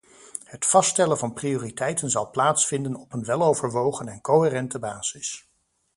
Het vaststellen van prioriteiten zal plaatsvinden op een weloverwogen en coherente basis.